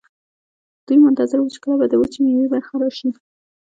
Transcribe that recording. دوی منتظر وو چې کله به د وچې میوې برخه راشي.